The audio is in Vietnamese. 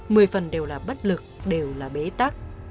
mười phần đều là bất lực đều là bế tắc